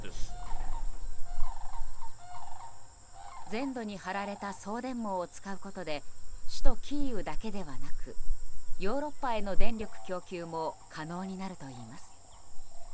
全土に張られた送電網を使うことで首都キーウだけではなくヨーロッパへの電力供給も可能になるといいます。